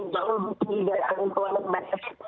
jauh lebih tinggi dari anggun kewangan dan efek